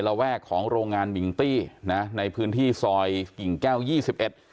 ระแวกของโรงงานมิงตี้นะในพื้นที่ซอยกิ่งแก้วยี่สิบเอ็ด